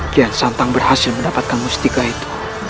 kian santang berhasil mendapatkan mustika itu